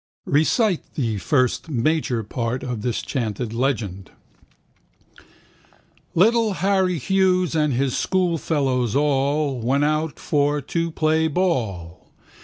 Recite the first (major) part of this chanted legend. Little Harry Hughes and his schoolfellows all Went out for to play ball.